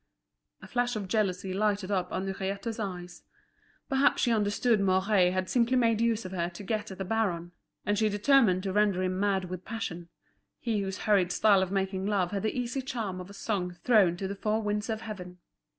A flash of jealousy lighted up Henriette's eyes. Perhaps she understood Mouret had simply made use of her to get at the baron; and she determined to render him mad with passion, he whose hurried style of making love had the easy charm of a song thrown to the four winds of heaven.